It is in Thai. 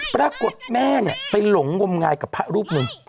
ปรากฏแม่ไปหลงงมงายกับพระรูปหนึ่ง